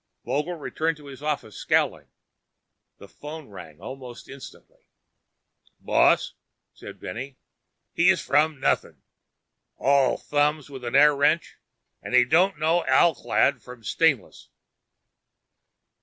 Vogel returned to his office scowling. The phone rang almost instantly. "Boss," said Benny, "he's from nothing all thumbs with an air wrench and he don't know alclad from stainless."